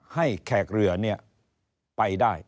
ให้แขกเรือเนี่ยไปได้